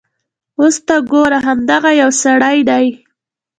اوس ته ګوره همدغه یو سړی دی.